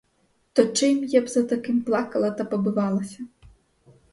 То чи я б за таким плакала та побивалася?